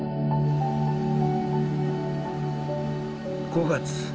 ５月。